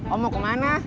om mau kemana